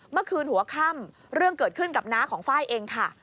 เมื่อคืนหัวค่ำเรื่องเกิดขึ้นกับน้าของไฟล์เองค่ะ